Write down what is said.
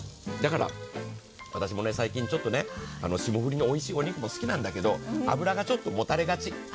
だから、私も最近ちょっと霜降りのおいしいお肉も好きなんだけど、脂がちょっともたれがち。